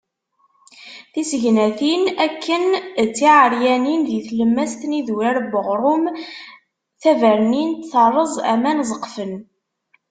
Tisegnatin akken d tiɛeryanin di tlemmast n idurar n uɣrum. Tabernint terreẓ aman ẓeqfen.